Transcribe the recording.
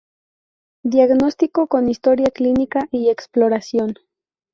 Diagnóstico con historia clínica y exploración.